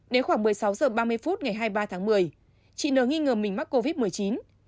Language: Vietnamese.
đến khoảng một mươi sáu h ba mươi phút ngày hai mươi ba tháng một mươi chị nờ nghi ngờ mình mắc covid một mươi chín